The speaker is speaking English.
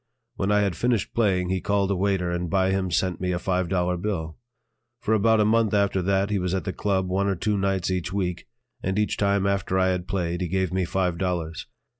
When I had finished playing, he called a waiter and by him sent me a five dollar bill. For about a month after that he was at the "Club" one or two nights each week, and each time after I had played, he gave me five dollars.